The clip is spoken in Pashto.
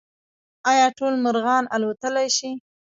ایا ټول مرغان الوتلی شي؟